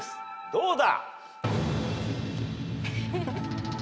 どうだ？